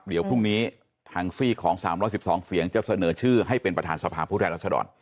เดี๋ยวพรุ่งนี้ทางซีกของ๓๑๒เสียงจะเสนอชื่อให้เป็นประธานสภาพผู้แทนรัศดร